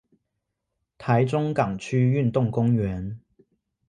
臺中港區運動公園